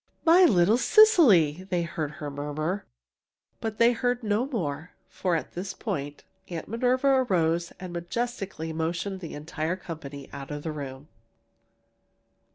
my little Cecily!" they heard her murmur. But they heard no more, for at this point, Aunt Minerva arose and majestically motioned the entire company out of the room!